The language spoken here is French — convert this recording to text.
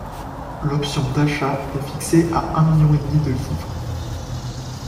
L'option d'achat est fixée à un million et demi de livres.